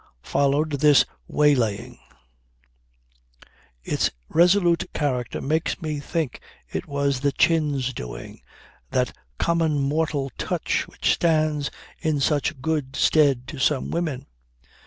Followed this waylaying! Its resolute character makes me think it was the chin's doing; that "common mortal" touch which stands in such good stead to some women.